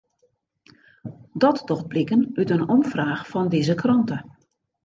Dat docht bliken út in omfraach fan dizze krante.